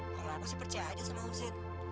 malah aku sih percaya aja sama husein